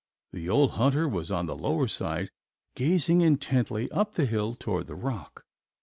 The old hunter was on the lower side, gazing intently up the hill toward the rock.